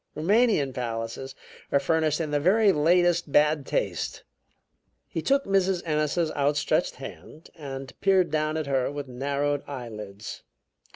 "Roumanian palaces are furnished in the very latest bad taste." He took Mrs. Ennis's outstretched hand and peered down at her with narrowed eyelids.